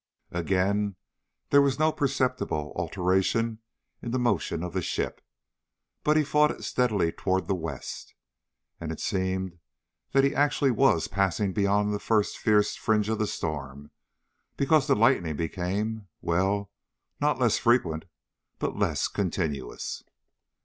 Again there was no perceptible alteration in the motion of the ship, but he fought it steadily toward the west. And it seemed that he actually was passing beyond the first fierce fringe of the storm, because the lightning became well, not less frequent, but less continuous.